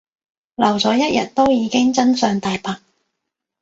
留咗一日都已經真相大白